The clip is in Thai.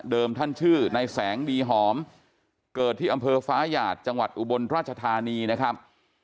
ท่านชื่อในแสงดีหอมเกิดที่อำเภอฟ้าหยาดจังหวัดอุบลราชธานีนะครับ